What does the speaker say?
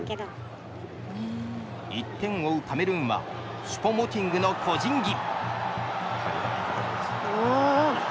１点を追うカメルーンはシュポモティングの個人技。